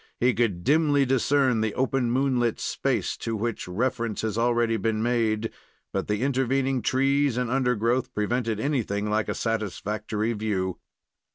He could dimly discern the open moonlit space to which reference has already been made; but the intervening trees and undergrowth prevented anything like a satisfactory view.